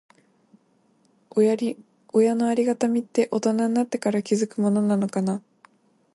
親のありがたみって、大人になってから気づくものなのかな。